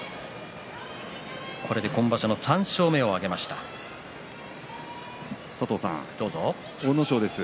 これで今場所の３勝目を挙げました王鵬です。